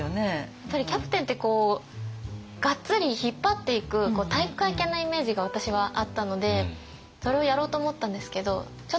やっぱりキャプテンってがっつり引っ張っていく体育会系なイメージが私はあったのでそれをやろうと思ったんですけどちょっと向いてなくて。